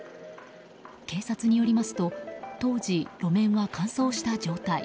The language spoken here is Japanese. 警察によりますと当時、路面は乾燥した状態。